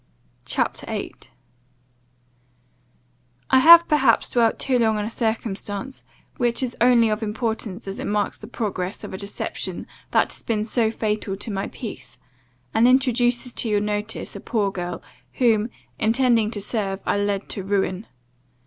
CHAPTER 8 "I HAVE perhaps dwelt too long on a circumstance, which is only of importance as it marks the progress of a deception that has been so fatal to my peace; and introduces to your notice a poor girl, whom, intending to serve, I led to ruin.